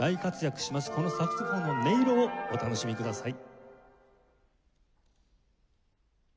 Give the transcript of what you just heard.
このサクソフォンの音色をお楽しみください。